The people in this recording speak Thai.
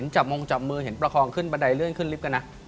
จับมงจับมือเห็นประคองขึ้นบันไดเลื่อนขึ้นลิฟต์กันนะ